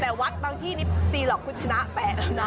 แต่วัดบางที่นี่ตีหรอกคุณชนะแปะแล้วนะ